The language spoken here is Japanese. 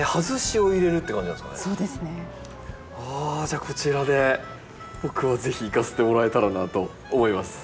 じゃあこちらで僕は是非いかせてもらえたらなと思います。